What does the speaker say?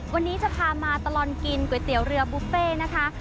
วันนี้จะพามาตลอดกินก๋วยเตี๋ยวเรือบุฟเฟ่นะคะ